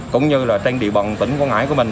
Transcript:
cũng như là trên địa bàn tỉnh quảng ngãi của mình